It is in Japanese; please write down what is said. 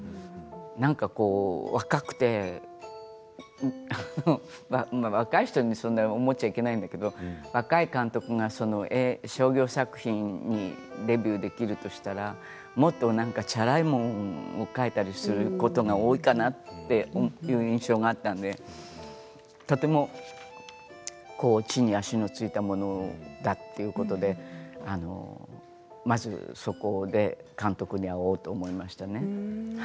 なんか若くて、あの若い人にそんな思っちゃいけないんだけれど若い監督が商業作品にデビューできるとしたらもっとチャラいものを書いたりすることが多いかなという印象があったのでとても地に足のついたものだということでまずそこで監督に会おうと思いましたね。